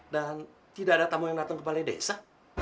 dan tidak ada tamu yang datang kembali desa